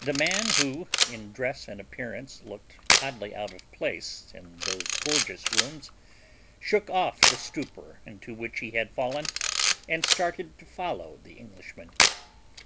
The man, who, in dress and appearance looked oddly out of place in those gorgeous rooms, shook off the stupor into which he had fallen and started to follow the Englishman.